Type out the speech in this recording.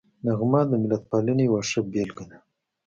نغمه د ملتپالنې یوه ښه بېلګه ده